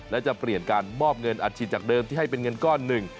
และจะเปลี่ยนการมอบเงินอัดฉีดจากเดิมที่ให้เป็นเงินก้อนหนึ่ง